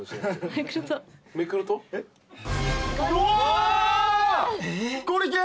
うわ！